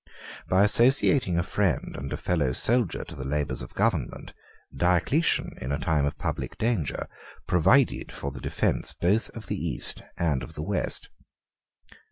By associating a friend and a fellow soldier to the labors of government, Diocletian, in a time of public danger, provided for the defence both of the East and of the West.